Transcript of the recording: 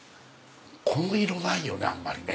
こんな色ないよねあんまりね。